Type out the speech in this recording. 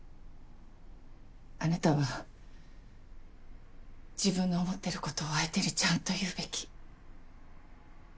あなたは自分の思ってることを相手にちゃんと言うべき。